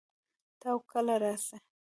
تۀ او کله ار سې